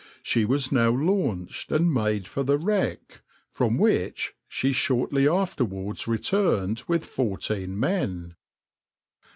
She was now launched, and made for the wreck, from which she shortly afterwards returned with fourteen men.